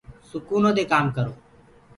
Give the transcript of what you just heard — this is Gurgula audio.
سُکونو دي ڪآم ڪرو۔